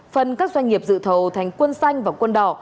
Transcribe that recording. phần các doanh nghiệp dự thầu thành quân xanh và quân đỏ